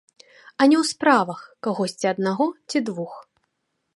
А не ў справах кагосьці аднаго ці двух.